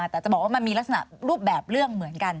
แต่จะบอกว่ามันมีลักษณะรูปแบบเรื่องเหมือนกัน